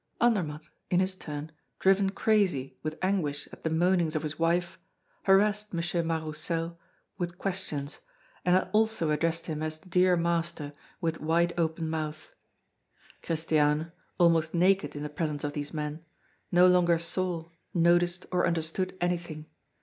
Andermatt, in his turn, driven crazy with anguish at the moanings of his wife, harassed M. Mas Roussel with questions, and also addressed him as "dear master" with wide open mouth. Christiane, almost naked in the presence of these men, no longer saw, noticed, or understood anything.